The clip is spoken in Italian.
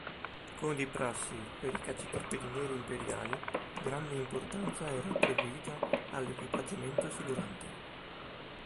Come di prassi per i cacciatorpediniere imperiali, grande importanza era attribuita all'equipaggiamento silurante.